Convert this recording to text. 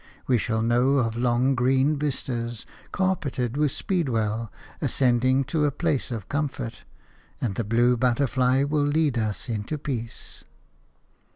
We shall know of long, green vistas, carpeted with speedwell, ascending to a place of comfort, and the blue butterfly will lead us into peace.